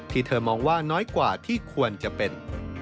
เธอมองว่าน้อยกว่าที่ควรจะเป็น